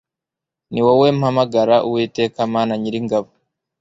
ni wowe mpamagara uwiteka mana nyiringabo